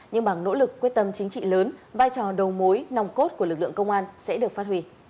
nhưng bằng nỗ lực quyết tâm chính trị lớn vai trò đầu mối nòng cốt của lực lượng công an sẽ được phát huy